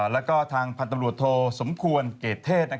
แล้วก็ทางพันธุ์ตำรวจโทสมควรเกรดเทศ